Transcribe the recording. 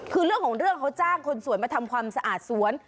คือเรื่องของเรื่องเขาจ้างคนสวยมาทำความสะอาดสวน